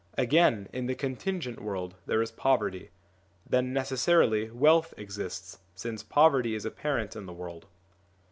Again, in the contingent world there is poverty ; then necessarily wealth exists, since poverty is apparent in the world.